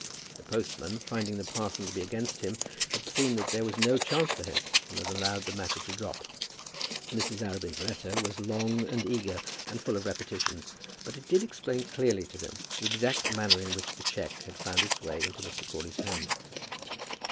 The postman, finding the parson to be against him, had seen that there was no chance for him, and had allowed the matter to drop. Mrs. Arabin's letter was long and eager, and full of repetitions, but it did explain clearly to them the exact manner in which the cheque had found its way into Mr. Crawley's hand.